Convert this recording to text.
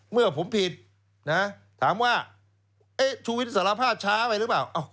เมื่อผมผิดนะถามว่าชูวิทย์สารภาพช้าไปหรือเปล่า